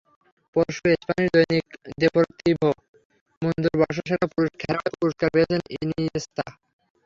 পরশু স্প্যানিশ দৈনিক দেপোর্তিভো মুন্দোর বর্ষসেরা পুরুষ খেলোয়াড়ের পুরস্কার পেয়েছেন ইনিয়েস্তা।